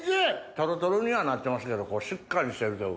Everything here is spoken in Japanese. トロトロにはなってますけどしっかりしてるというか。